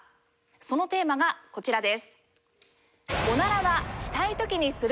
そのテーマがこちらです。